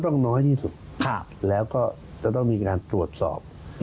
น้อยที่สุดแล้วก็จะต้องมีการตรวจสอบ